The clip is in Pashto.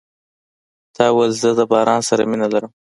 تا ویل زه د باران سره مینه لرم .